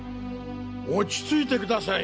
落ち着いてください。